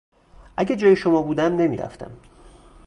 اگر جای شما بودم، نمیرفتم.